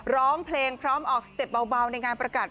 ร้องเพลงพร้อมออกสเต็ปเบาในงานประกาศ